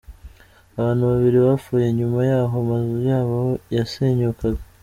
Abantu babiri bapfuye nyuma y’aho amazu yabo yasenyukaga.